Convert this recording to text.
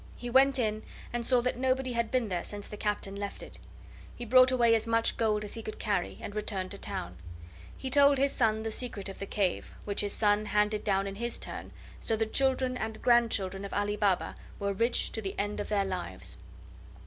He went in, and saw that nobody had been there since the Captain left it. He brought away as much gold as he could carry, and returned to town. He told his son the secret of the cave, which his son handed down in his turn, so the children and grandchildren of Ali Baba were rich to the end of their lives.